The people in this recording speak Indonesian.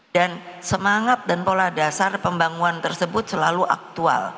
dan semangat dan pola dasar pembangunan tersebut selalu aktual